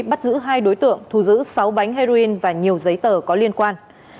bắt giữ hai đối tượng thu giữ sáu bánh heroin và nhiều giấy tờ có liên quan